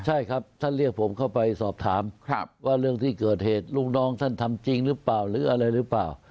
ใช่ครับท่านเรียกผมเข้าไปสอบถามว่าเรื่องที่เกิดเหตุลูกน้องท่านทำจริงหรือเปล่าหรืออะไรหรือเปล่า